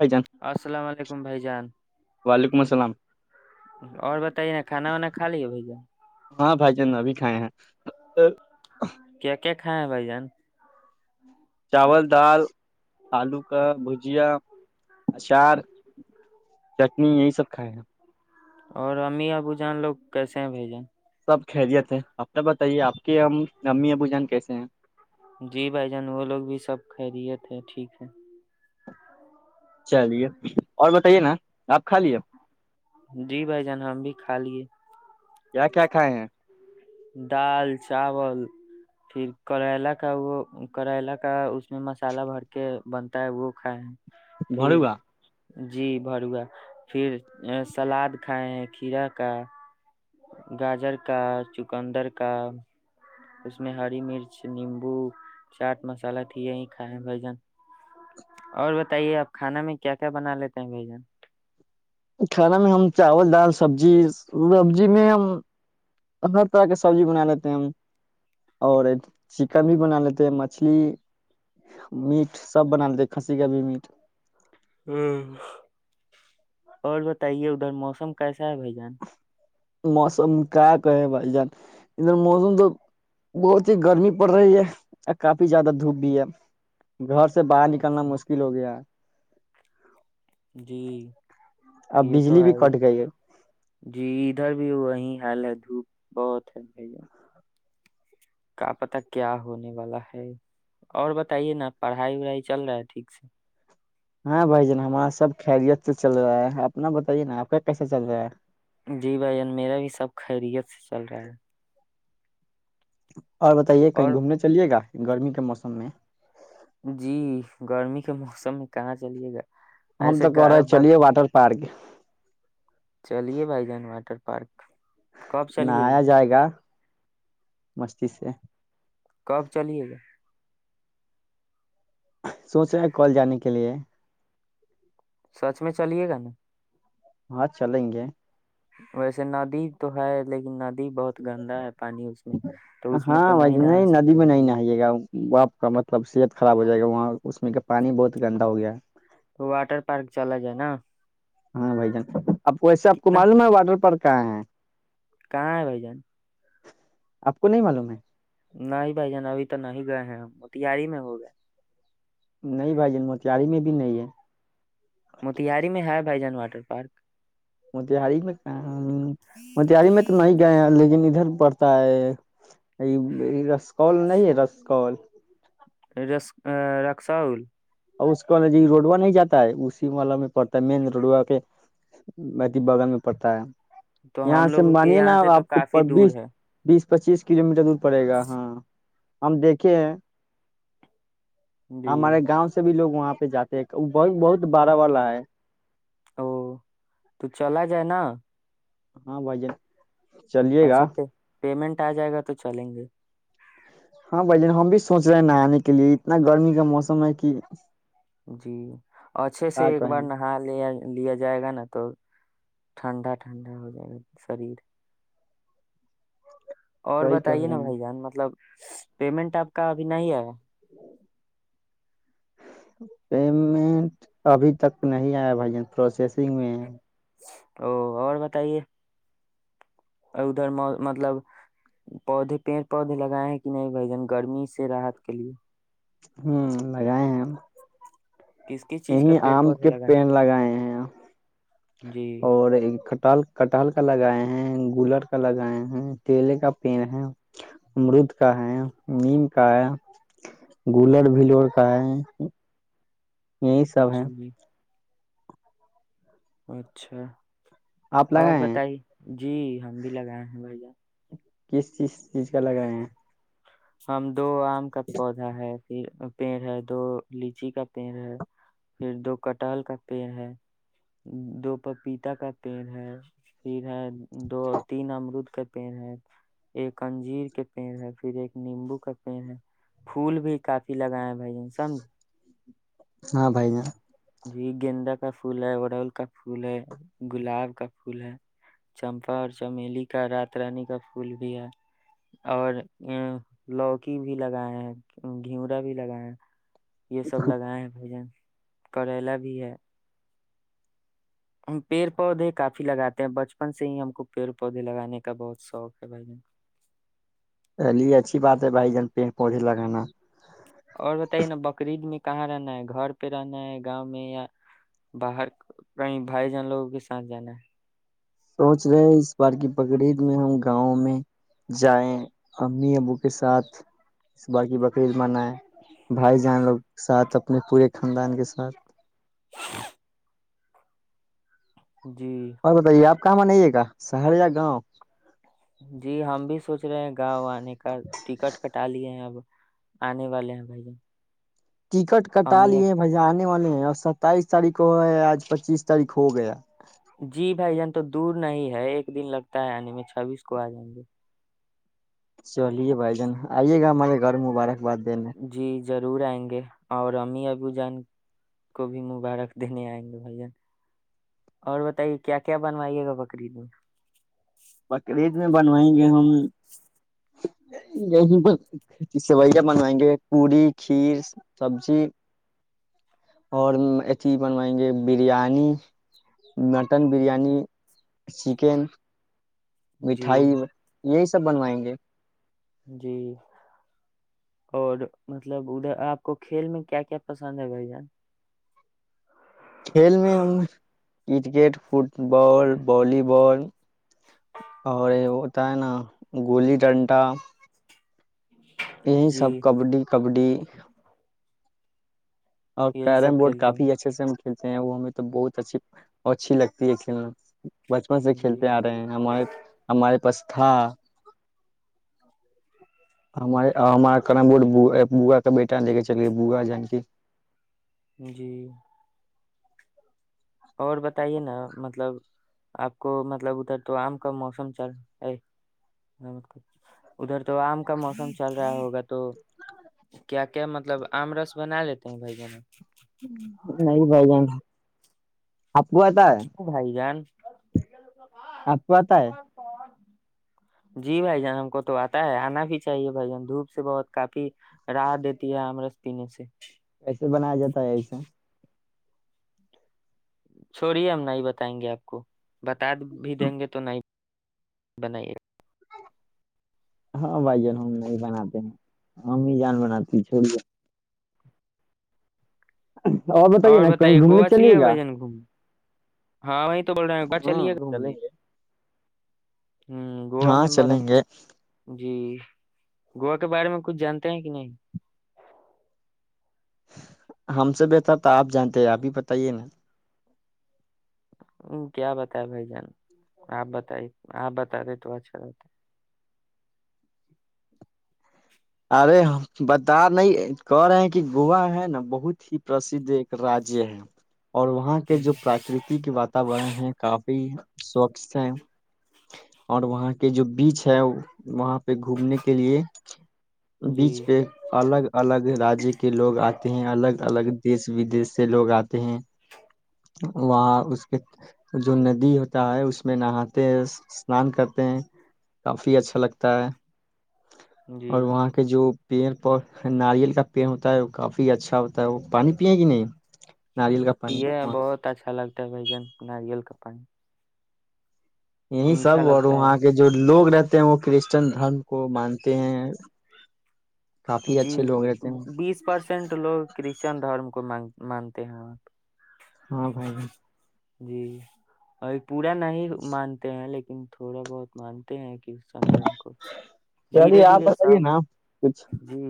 بھائی جان السلام علیکم بھائی جان وعلیکم السلام اور بتائیے کھانا وانا کھا لیا ہاں بھائی جان ابھی کھائے ہیں کیا کیا کھائیں بھائی جان چاول دال الو کو ابو جیا چٹنی یہی سب ہے اور امی اپ کو جان لو کیسے ہیں سب خیریت ہے اپ کا بتائی اپ کا جن کے جی بھائی جان اور بتائیے نا اپ کھا لیے جی بھائی جان کیا کیا کھایا ہے دال چاول کریلا کا وہ کریلا کا مصالحہ بن کے بنتا ہے وہ کھائیں مبارک جی بھروا پھر سیلاب کھائے ہے کھیرا کا گاجر کا چکندر کا اس میں ہری مرچ نہیں ہو چاٹ مصالحہ کی اور بتائیے اپ کھانا میں کیا کیا بنا لیتے ہیں کھانا میں ہم چاول دال سب چیز سبزی میں ہم اپنا طرح کے سب بھی بنا لیتے ہیں اور چکر بھی بنا لیتے ہیں مچھلی نیٹ سب بنا لینا اور بتائیے ادھر موسم کا موسم کا بہت ہی گرمی پر رہی ہے کافی زیادہ تھوپنی ہے باہر نکلنا اچھا مشکل ہو گیا ہے جی اب یہ تو بجلی ہے بھی کٹ گئی ہے ادھر بھی وہیں ہیلو جی بہت کا مطلب کیا اور بتائیے نہ پڑھائی نہیں چل رہا ہے میں بھائی جان سب خیریت سے چل رہا ہے اپنا بتائی نامے کیسا چل رہا ہے جی بھائی جان میرا بھی سب خیریت ہے [unintelligible] اور بتائیے ک اور چلیے گا گرمی کے موسم میں جی گرمی کا موسم کہاں سے ہم ایسے تو کہہ رہے چلیے واٹر پارک چلیے بھائی جان [unintelligible] کب چلیے نہایا جائے گا مستی سے کب چلیے گا سوچ رہے ہیں کل جانے کے لیے سچ میں چلیے گا چلیں گے ویسے نابین تو ہے لیکن نابین بہت گندا ہے پانی تو اس میں تو ہاں بھائی نہیں نہ ندی میں نہیں نہائیے گا آپ کا مطلب صحت خراب ہو جائے گا وہاں اس میں کہ پانی بہت گندا ہو گیا ہے واٹر پارک چلا جائے نا ہاں بھائی جان اپ کو ایسے اپ کو کتنا معلوم ہے کہاں ہے کہاں ہے بھائی جان اپ کو نہیں معلوم ہے نہیں بھائی جان ابھی تو نہیں گئے ہیں تیاری میں ہوگا نہیں بھائی تیاری میں بھی نہیں ہے تیاری میں ہے بھائی جان واٹر پارک میں تو نہیں گئے ہیں مگر کرتا ہے میرا اور نہیں ہے رست کول رکسا ہل نہیں جاتا ہے اسی والا میں پڑتا ہے مین روڈوا کے باقی باغن میں پڑتا ہے تو یہاں ہم سے لوگوں کے مانیے یہاں نا سے تو اپ کو کافی دور ہے اس چیز کے لیے مجھے دودھ پڑے گا ہاں ہم دیکھے ہیں جی ہمارے گاؤں لوگ وہاں پہ جاتے ہیں بہت والا ہے او تو چلا جانا ہاں بھائی جان چلیے گا اچھا پیمنٹ ا جائے گا تو چلیں گے ہاں بھائی جان ہم بھی سوچ رہے ہیں نایانے کے لیے اتنا گرمی کا موسم ہے کہ اچھے سے کیا ایک بار کہیں نہا لیا لیا جائے گا نا تو ٹھنڈا ٹھنڈا ہو جائے گا سری اور صحیح کہہ بتائیے نا رہے ہیں بھائی جان مطلب پیمنٹ اپ کا ابھی نہیں ہے ابھی تک نہیں ایا بھائی جان پروسیسنگ میں او اور بتائیے ادھر مطلب پودے لگائے ہیں کہ نہیں بھائی جان گرمی سے راحت کے لگائے ہیں کس کس چیز کا پیڑ پودے لگا پین لگائے ہیں جی اور ٹالکا لگائے ہیں گولڑ کا لگائیں ہیں کیلے کا پین ہے امرود کا ہیں میم کا ہے ہے گولر پلیز اب ہیں جی اچھا آپ اور لگائے ہیں بتائی جی ہم بھی لگا جس جس کا لگ رہے ہیں ہم تو ام کا پودا ہے ہے تو لیجیے گا ٹال کرتی ہے دو پپیتا کا تیل ہے پی دو تین امرود ک ایک انجیر کتنی ہے پھر ایک [unintelligible] نیمبو کرتے ہیں پھول بھی کافی لگائیں [inaudible] [inaudible] ہاں بھائی جان جی گندہ کا فل ہے وڈال کا پھول ہے گلاب کا پھول ہے چمپار چمیلی کا رات رانی کا پھول دیا اور [unintelligible] لوکی بھی لگایا ہے گھوڑا بھی لگایا یہ سب لگائیں بھائی جان کریلا بھی ہے پیر پودے کافی لگاتے ہیں بچپن سے ہی ہم کو پیور پودے لگانے کا بہت سوگ ہے بھائی جان جی اچھی بات ہے بھائی جان پی لگانا اور بتائیے نا بکر عید میں کہاں رہنا ہے گھر پہ رہنا ہے گاؤں میں یا باہر کہیں بھائی جان لوگوں کے ساتھ جانا ہے سوچ رہے ہیں اس بار کی پگڑی میں ہم گاؤں میں جائیں امی ابو کے ساتھ صبح کی بکریز منائیں بھائی جان لوگ ساتھ اپنے پورے خاندان کے ساتھ [inaudible] ہے جی کم نہیں ہے گا سر یا گاؤں جی ہم بھی سوچ گاؤ انے کا ٹکٹ کٹا لیے ہیں اب انے والے ہیں بھائی جان ٹکٹ کٹا امی لیے بھائی جان ستائیس تاریخ کو ہے اج پچیس تاریخ ہو گیا جی بھائی جان تو دور نہیں ہے ایک دن لگتا ہے یعنی میں چھبیسکو ا جائیں گے چلیے بھائی جان [inaudible] جی ضرور ائیں گے اور امی ابو جان کو بھی مبارک دینے ائیں گے بھائی جان کلید میں بنوائیں گے ہم سویا منگوائیں گے پوری کھیر سبزی اور چی بنوائیں گے بریانی مٹن بریانی سیکھیں جی مٹھائی یہی سب بنوائیں گے جی اور مطلب اپ کو کھیل میں کیا کیا پسند ہے بھائی جان کھیل میں فٹ بال بالی بال اور ہوتا ہے نا گولی ڈنڈا یہی جی سب کبڈی کبڈی اور کہہ یہی رہے ہیں سب بوٹ کھیلتے کافی ہیں اچھے سے م ہیں وہ میں تو بہت اچھی اچھی لگتی ہے کیوں چلتے ا جی رہے ہیں ہمارے پاس تھا بیٹا لے کے چلیے بوغا جان کی جی میں بھی اور بتائیے نا مطلب اپ کو مطلب ادھر تو ام کا موسم چل ادھر تو ام کا موسم چل رہا ہوگا تو کیا کیا مطلب امرس بنا لیتا ہوں نہیں بھائی جان آپ کو آتا ہے بھائی جان اپ کو پت ہے جی بھائی جان ان کو تو اتا ہے انا بھی چاہیے بھائی جان دھوپ سے بہت کافی راہ دیتی ہے امرت پینے سے کیسے بنایا جاتا ہے ایسے چھوڑیے ہم نہیں بتائیں گے اپ کو بتا بھی دیں گے تو نہیں بنائی ہاں بھائی جان ہم نہیں بناتے امی جان بناتے ہیں چھوڑ اور بتائیے نا کہیں گھومنے چلیے گا ہاں بھئی ہاں چلیے چلیں گھومنے گے ہوں گووا ہاں میں بات چلیں گے جی گو کے بارے میں کچھ جانتے ہیں کہ نہیں ہم سے بہتر تو اپ جانتے ہیں اپ ہی بتائیے نا کیا بتایا بھائی جان اپ بتائیں اپ بتا دیں تو اچھا ارے بتا نہیں گور ہیں کہ گوا ہے نہ بہت ہی پراسی دیکھ راج ہے اور وہاں کے ہوں، جو پراگریتی کی بات ہے کافی اور وہاں کے جو بیچ ہے وہاں پہ گھومنے کے لیے جی بیچ میں الگ الگ راجی کے لوگ اتے ہیں الگ ال اس ودے سے لوگ اتے ہیں وہاں اس کے جو ندی ہوتا ہے اس میں نہاتے نان کرتے ہیں کافی اچھا لگتا ہے جی اور وہاں کے جو پیر ناریل کا پین ہوتا ہے کافی اچھا ہوتا ہے وہ پانی پیے گی نہیں ناریل کا پانی پیے ہیں، بہت اچھا لگتا بھائی جان ناریل کا میٹھا صاحب اور لگتا ہے وہاں کے جو لوگ رہتے ہیں وہ کرسچن رن کو مانتے ہیں کافی اچھے لوگ رہتے ہیں [unintelligible] چند حرم کو مانتے ہیں ہاں بھائی جی پورا نہیں مانتے ہیں لیکن تھوڑا بہت مانتے ہیں چلیے دھیرے آپ دھیرے بتائیے سب نا کچھ جی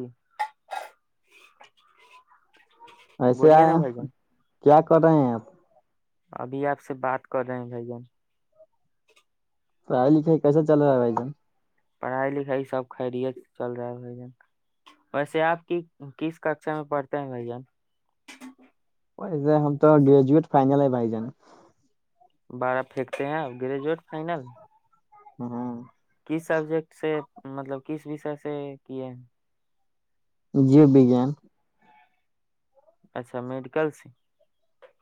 [inaudible] ایسے بولیے نا بھائی جان [inaudible] ابھی اپ سے بات کر رہے ہیں بھائی کیسا چل رہا ہے بھائی جان علی بھائی سب خیریت چل رہا ہے ویسے اپ کی کس کا اکثر میں پڑھتے ہیں بھائی جان بھائی جان بارہ پھینکتے ہیں آپ گریجویٹ فائنل ہاں جی سبجیکٹ سے مطلب کیس فیصد سے یہ بھی جان اچھا میڈیکل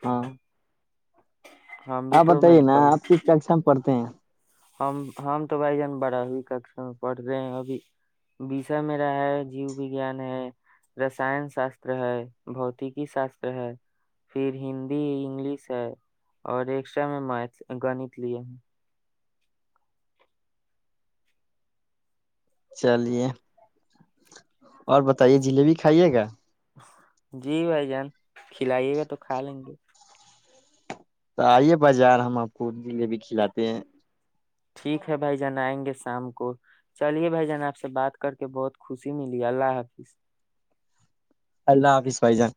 ہاں ہم بھی اپ تو بتائیے نا میڈیکل اپ کس کا پڑھتے ہیں ہم تو بھائی جان ب چلیے اور بتائیے جلے بھی کھائیے گا جی بھائی جان کھلائیے گا تو کھا لیں گے لاتے ہیں ٹھیک ہے بھائی جان ائیں گے شام کو چلیے بھائی جان اپ سے بات کر کے بہت خوشی ملی اللہ حافظ اللہ حافظ بھائی جان